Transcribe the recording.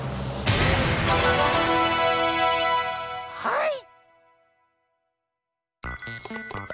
はい！